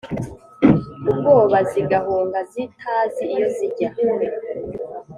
ubwoba, zigahunga zitazi iyo zijya